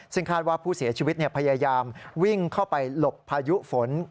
ซึ่งคาดว่าผู้เสียชีวิตพยายามวิ่งเข้าไปหลบพายุฝน